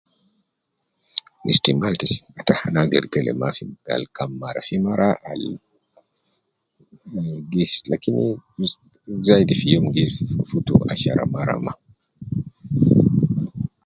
Istimal ta sim ata ana agder kelem mafi gal kam mara fi mara al gis, lakini zaidi fi youm gi tim ashara mara ma